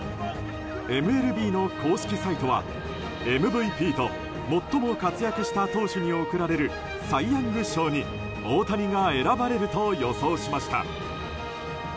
ＭＬＢの公式サイトは、ＭＶＰと最も活躍した投手に贈られるサイ・ヤング賞に大谷が選ばれると予想しました。